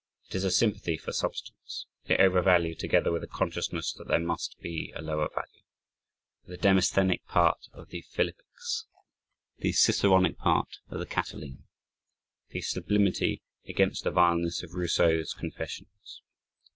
It is a sympathy for "substance" the over value together with a consciousness that there must be a lower value the "Demosthenic part of the Philippics" the "Ciceronic part of the Catiline," the sublimity, against the vileness of Rousseau's Confessions.